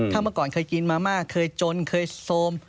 ถ้าเมื่อก่อนเคยกินมาม่าเคยจนเคยโซม